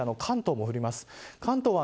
関東もかなり降ります。